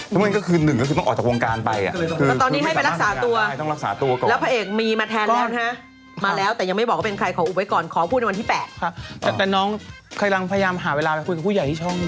แต่น้องพยายามหาเวลาไปคุยกับผู้ใหญ่ที่ช่อง